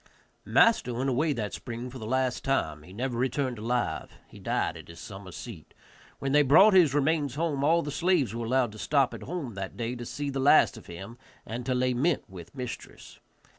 Master went away that spring for the last time; he never returned alive; he died at his summer seat. When they brought his remains home all of the slaves were allowed to stop at home that day to see the last of him, and to lament with mistress.